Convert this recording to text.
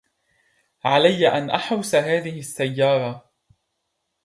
عليّ أن أحرس هذه السّيّارة.